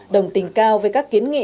đồng tình cao với các kiến nghị